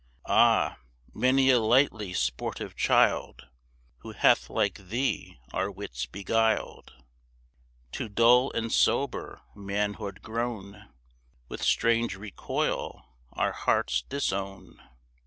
Ah! many a lightly sportive child, Who hath like thee our wits beguiled, To dull and sober manhood grown, With strange recoil our hearts disown.